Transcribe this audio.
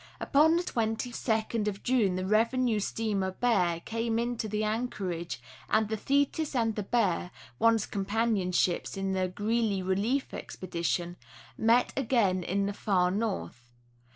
Upon the 22d of June the Revenue Steamer Bear came in to the anchorage, and the Thetis and the Bear, once companion ships in the Greely Relief Expedition, met again in the far north.